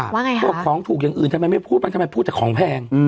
ว่าของถูกอย่างอื่นทันไม่พูดแปลทำไมพูดจะของแพง